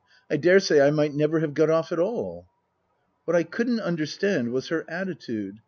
I daresay I might never have got off at all." What I couldn't understand was her attitude.